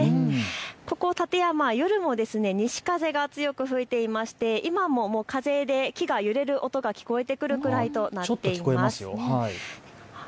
ここ館山、夜も西風が強く吹いていまして今も風で木が揺れる音が聞こえてくるくらいとなっています。